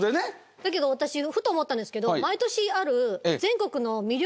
だけど私ふと思ったんですけど。